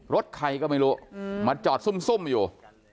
รถใครก็ไม่รู้มาจอดซุ่มอยู่